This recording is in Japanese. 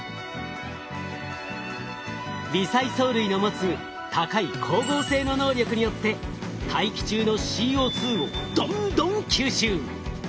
微細藻類の持つ高い光合成の能力によって大気中のＣＯをどんどん吸収。